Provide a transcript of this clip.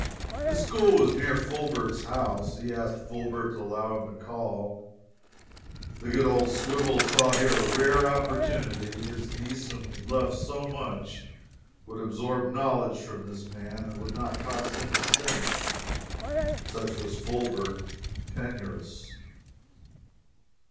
His school was near Fulbert's house. He asked Fulbert to allow him to call. The good old swivel saw here a rare opportunity: his niece, whom he so much loved, would absorb knowledge from this man, and it would not cost him a cent. Such was Fulbert penurious.